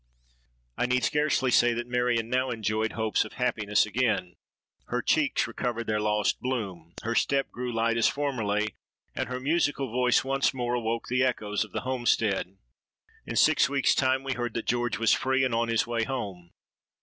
I need scarcely say, that Marion now enjoyed hopes of happiness again: her cheeks recovered their lost bloom—her step grew light as formerly, and her musical voice once more awoke the echoes of the homestead. In six weeks time we heard that George was free, and on his way home.